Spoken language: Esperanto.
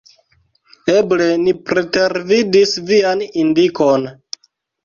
Eble ni pretervidis vian indikon.